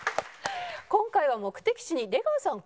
今回は目的地に出川さん